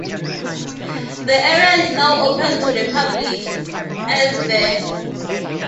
The area is now open to the public as the